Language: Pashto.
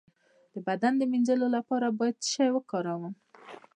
د بدن د مینځلو لپاره باید څه شی وکاروم؟